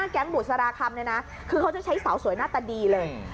แก๊งบุษราคำเนี่ยนะคือเขาจะใช้เสาสวยหน้าตาดีเลย